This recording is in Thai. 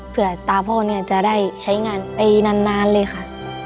เผื่อตาพ่อจะได้ใช้งานไปนานเลยค่ะ